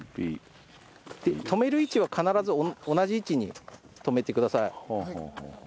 止める位置を必ず同じ位置に止めてください。